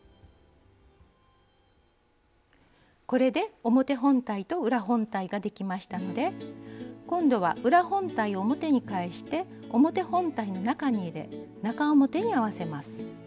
これで表本体と裏本体ができましたので今度は裏本体を表に返して表本体の中に入れ中表に合わせます。